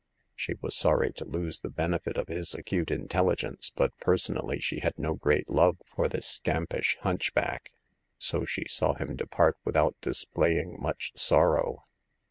She was sorry to lose the benefit of his acute intelligence, but personally she had no great love for this scampish hunchback ; so she saw him. depart without displaying much sorrow.